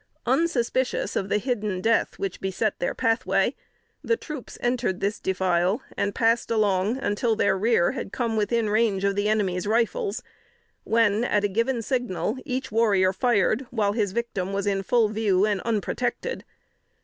Unsuspicious of the hidden death which beset their pathway, the troops entered this defile, and passed along until their rear had come within the range of the enemies' rifles, when, at a given signal, each warrior fired, while his victim was in full view and unprotected.